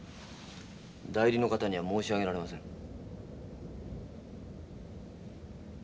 代理の方には申し上げられません。